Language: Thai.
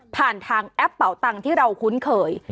ผ่านทางแอปเป่าตังค์ที่เราคุ้นเคย